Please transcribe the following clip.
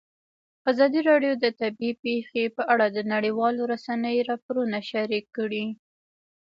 ازادي راډیو د طبیعي پېښې په اړه د نړیوالو رسنیو راپورونه شریک کړي.